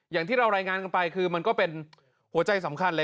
อย่างที่เรารายงานกันไปคือมันก็เป็นหัวใจสำคัญเลย